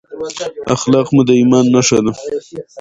اخلاق مو د ایمان نښه ده.